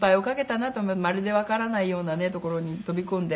まるでわからないようなところに飛び込んで。